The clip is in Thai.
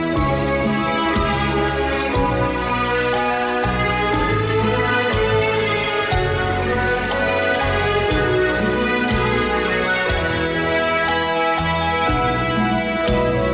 สัมพันธ์